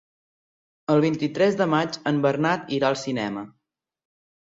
El vint-i-tres de maig en Bernat irà al cinema.